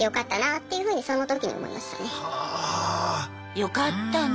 よかったね。